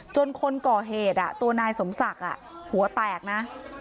คนก่อเหตุตัวนายสมศักดิ์หัวแตกนะ